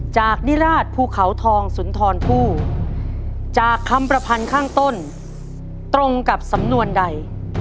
จากนิราชภูเขาทองสุนทรผู้จากคำประพันธ์ข้างต้นตรงกับสำนวนใด